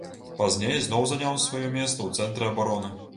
Пазней зноў заняў сваё месца ў цэнтры абароны.